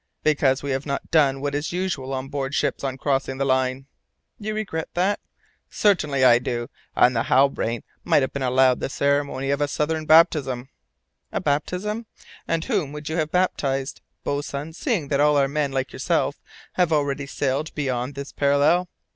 "Because we have not done what is usual on board ships on crossing the Line!" "You regret that?" "Certainly I do, and the Halbrane might have been allowed the ceremony of a southern baptism." "A baptism? And whom would you have baptized, boatswain, seeing that all our men, like yourself, have already sailed beyond this parallel?"